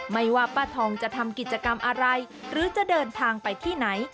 ไม่ว่าป้าทองจะทำกิจกรรมอะไรหรือจะเดินทางไปที่ไหน